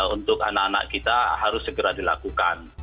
untuk anak anak kita harus segera dilakukan